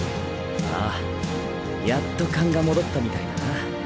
ああやっと勘が戻ったみたいだな。